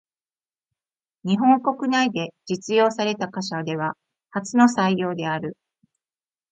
日本国内で実用された貨車では初の採用である。